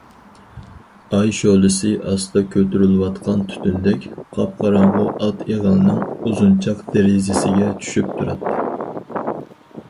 ئاي شولىسى ئاستا كۆتۈرۈلۈۋاتقان تۈتۈندەك، قاپقاراڭغۇ ئات ئېغىلىنىڭ ئۇزۇنچاق دېرىزىسىگە چۈشۈپ تۇراتتى.